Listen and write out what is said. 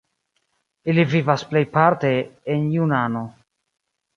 Ili vivas plejparte en Junano.